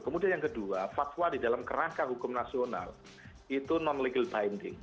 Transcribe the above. kemudian yang kedua fatwa di dalam kerangka hukum nasional itu non legal binding